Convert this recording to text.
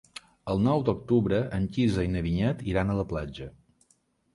El nou d'octubre en Quirze i na Vinyet iran a la platja.